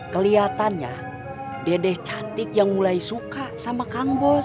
keliatannya dede cantik yang mulai suka sama kang bos